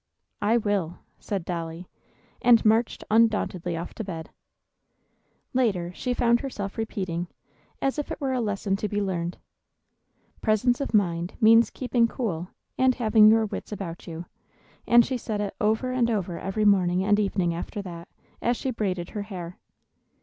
"I will," said Dolly, and marched undauntedly off to bed. Later, she found herself repeating, as if it were a lesson to be learned, "Presence of mind means keeping cool, and having your wits about you;" and she said it over and over every morning and evening after that, as she braided her hair.